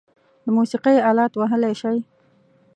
د موسیقۍ آلات وهلی شئ؟